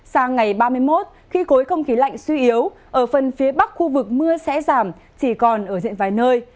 sang ngày ba mươi một khi khối không khí lạnh suy yếu ở phần phía bắc khu vực mưa sẽ giảm chỉ còn ở diện vài nơi